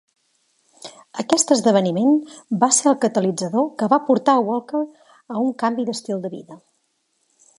Aquest esdeveniment va ser el catalitzador que va portar Walker a un canvi d'estil de vida.